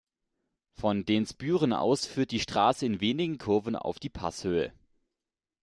Von Densbüren aus führt die Strasse in wenigen Kurven auf die Passhöhe.